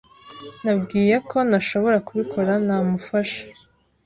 Nabwiye ko ntashobora kubikora ntamufasha.